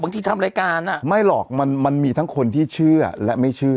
ทำรายการอ่ะไม่หรอกมันมีทั้งคนที่เชื่อและไม่เชื่อ